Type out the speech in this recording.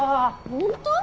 本当？